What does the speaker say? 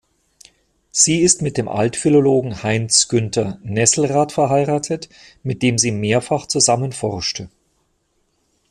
Sie ist mit dem Altphilologen Heinz-Günther Nesselrath verheiratet, mit dem sie mehrfach zusammen forschte.